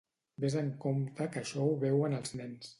Ves en compte que això ho veuen els nens.